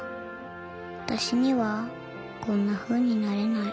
私にはこんなふうになれない。